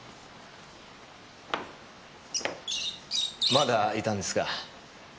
まだいたんですか？